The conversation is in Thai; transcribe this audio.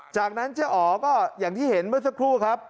จากนั้นเจ๊อ๋อก็อย่างที่เห็นเมื่อสักครู่ครับ